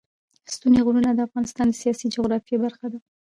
ستوني غرونه د افغانستان د سیاسي جغرافیه برخه ده.